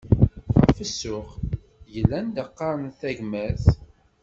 Ɣef ssuq, yella anda iqqaren d tagmert.